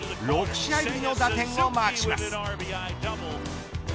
６試合ぶりの打点をマークします。